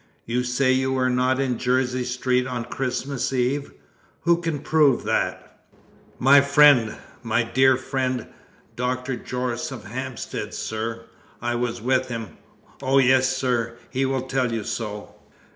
"You say you were not in Jersey Street on Christmas Eve. Who can prove that?" "My friend my dear friend, Dr. Jorce of Hampstead, sir. I was with him; oh, yes, sir, he will tell you so."